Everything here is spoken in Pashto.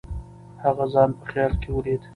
هغه ځان په خیال کې ولید.